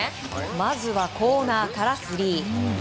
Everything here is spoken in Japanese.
まずは、コーナーからスリー。